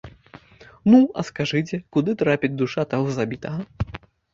Ну, а скажыце, куды трапіць душа таго забітага?